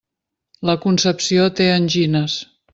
La Concepció té angines.